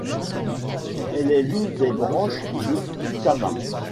Elle est l’une des branches de Kutama.